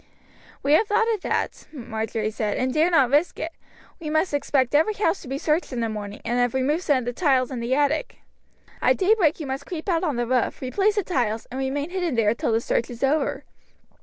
"We have thought of that," Marjory said, "and dare not risk it. We must expect every house to be searched in the morning, and have removed some tiles in the attic. At daybreak you must creep out on the roof, replace the tiles, and remain hidden there until the search is over.